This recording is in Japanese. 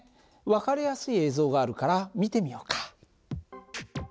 分かりやすい映像があるから見てみようか。